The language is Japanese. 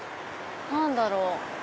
何だろう？